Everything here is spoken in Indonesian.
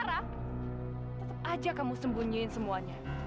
aduh apa saja kamu sembunyiin semuanya